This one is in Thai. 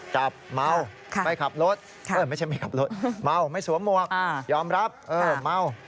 จับเมาไม่ขับรถไม่ใช่ไม่ขับรถเมาไม่สวมหมวกยอมรับเออเมา